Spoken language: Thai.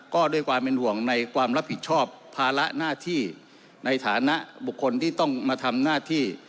ก็ด้วยความเป็นห่วงในความรับผิดชอบภาระหน้าที่ในฐานะบุคคลที่ต้องมาทำหน้าที่